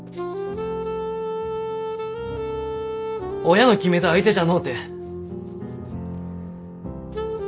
親の決めた相手じゃのうて。